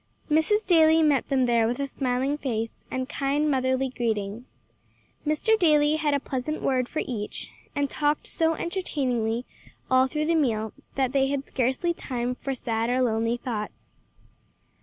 Mrs. Daly met them there with a smiling face, and kind motherly greeting. Mr. Daly had a pleasant word for each, and talked so entertainingly all through the meal, that they had scarcely time for sad or lonely thoughts.